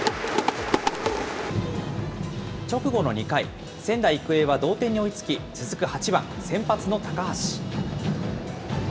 直後の２回、仙台育英は同点に追いつき、続く８番、先発の高橋。